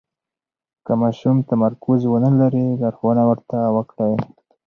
که ماشوم تمرکز ونلري، لارښوونه ورته وکړئ.